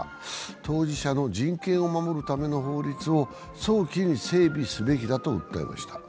当事者の人権を守るための法律を早期に整備すべきだと訴えました。